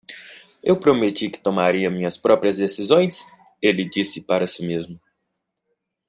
"Eu prometi que tomaria minhas próprias decisões?", ele disse para si mesmo.